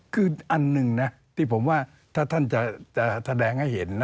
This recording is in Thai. คืออันหนึ่งนะที่ผมว่าถ้าท่านจะแสดงให้เห็น